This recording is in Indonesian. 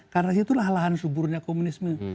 karena itulah lahan suburnya komunisme